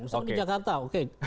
misalkan di jakarta oke